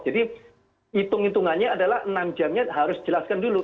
jadi hitung hitungannya adalah enam jamnya harus dijelaskan dulu